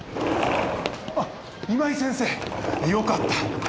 あっ今井先生よかった。